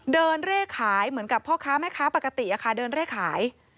เร่ขายเหมือนกับพ่อค้าแม่ค้าปกติเดินเร่ขาย